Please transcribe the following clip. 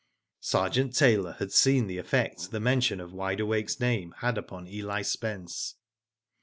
Sergeant Tyler had seen the effect the mention of Wide Awake's name had upon Eli Spence.